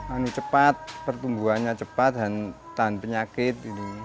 anu cepat pertumbuhannya cepat dan tahan penyakit